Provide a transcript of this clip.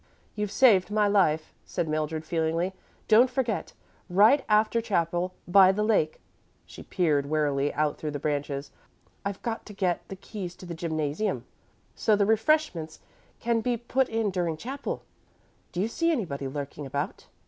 "You've saved my life," said Mildred, feelingly. "Don't forget. Right after chapel, by the lake." She peered warily out through the branches. "I've got to get the keys to the gymnasium, so the refreshments can be put in during chapel. Do you see anybody lurking about?